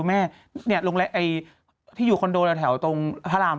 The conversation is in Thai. ให้ลงแล้วไอที่อยู่คอนโดในแถวตรงพระราม